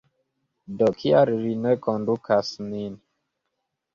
Do kial li ne kondukas nin?